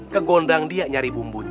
ke gondang dia nyari bumbunya